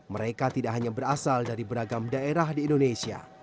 mereka tidak hanya berasal dari beragam daerah di indonesia